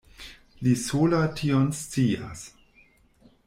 Li sola tion scias.